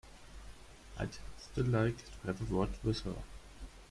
I'd still like to have a word with her.